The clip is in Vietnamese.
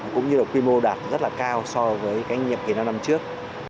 cũng như quy mô đạt rất cao so với nhiệm kỳ năm năm trước